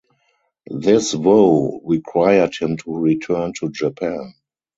This vow required him to return to Japan.